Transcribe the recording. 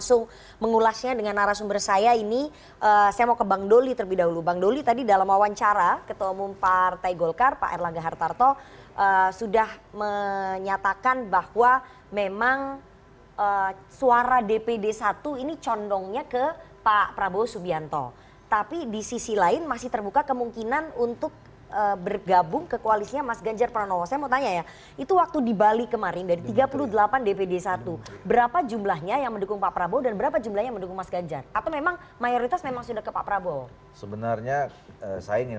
semuanya menyampaikan pandangan berdasarkan situasi di lapangannya masing masing